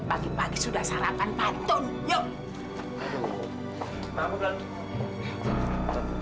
pagi pagi sudah sarapan patun yuk